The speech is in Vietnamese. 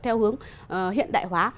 theo hướng hiện đại hóa